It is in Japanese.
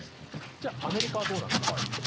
じゃあ、アメリカはどうなのか。